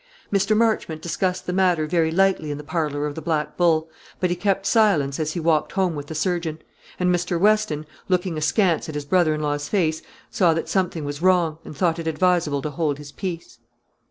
Mr. Marchmont discussed the matter very lightly in the parlour of the Black Bull, but he kept silence as he walked home with the surgeon; and Mr. George Weston, looking askance at his brother in law's face, saw that something was wrong, and thought it advisable to hold his peace.